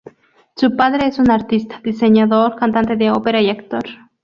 Su padre es un artista, diseñador, cantante de ópera y actor.